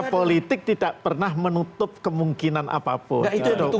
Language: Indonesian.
politik tidak pernah menutup kemungkinan apapun